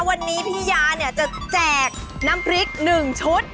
วันนี้พี่ยาเนี่ยจะแจกน้ำพริก๑ชุด